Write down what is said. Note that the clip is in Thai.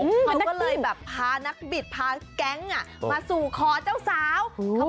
เขาก็เลยแบบพานักบิดพาแก๊งมาสู่ขอเจ้าสาว